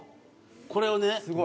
これをね。